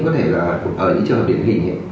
có thể là ở những trường hợp điển hình